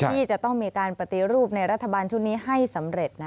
ที่จะต้องมีการปฏิรูปในรัฐบาลชุดนี้ให้สำเร็จ